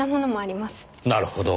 なるほど。